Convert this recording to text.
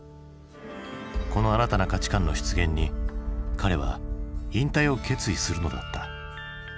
この新たな価値観の出現に彼は引退を決意するのだった。